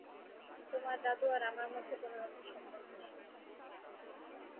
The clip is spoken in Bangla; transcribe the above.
তোমার দাদু আর আমার মধ্যে কোনোরকম সম্পর্ক নেই।